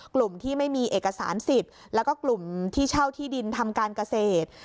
กลุ่มที่ไม่มีเอกสารสิทธิ์แล้วก็กลุ่มที่เช่าที่ดินทำการเกษตร